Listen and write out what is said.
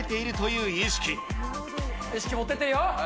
意識持ってってるよ。